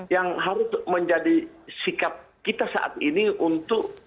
yang harus menjadi sikap kita saat ini untuk